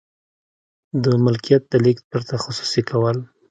د ملکیت د لیږد پرته خصوصي کول.